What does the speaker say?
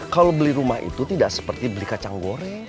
kalau beli rumah itu tidak seperti beli kacang goreng